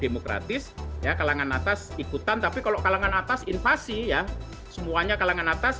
demokratis ya kalangan atas ikutan tapi kalau kalangan atas invasi ya semuanya kalangan atas